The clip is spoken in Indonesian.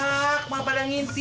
ibu ibu emang pengen masak